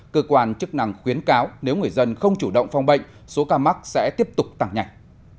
cơ quan chức năng khuyến cáo nếu người dân không chủ động phong bệnh số ca mắc sẽ tiếp tục tăng nhạch